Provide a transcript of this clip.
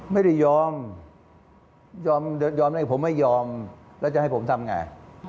ไม่ยอมยอมให้ผมไม่ยอมแล้วจะให้ผมทำไง